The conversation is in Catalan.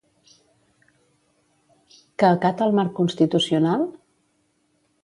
Que acata el marc constitucional?